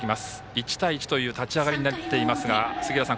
１対１という立ち上がりになっていますが、杉浦さん